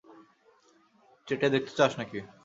চেটে দেখতে চাস নাকি?